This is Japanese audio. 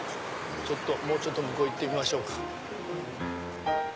もうちょっと向こう行ってみましょうか。